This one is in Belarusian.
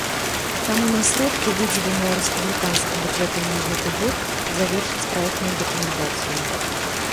Таму на сродкі, выдзеленыя рэспубліканскім бюджэтам на гэты год, завершаць праектную дакументацыю.